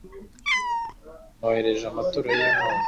mwoherejeho amaturo y'impongano